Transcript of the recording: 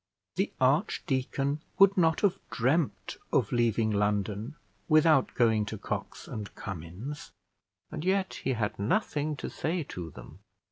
The archdeacon would not have dreamt of leaving London without going to Cox and Cummins; and yet he had nothing to say to them.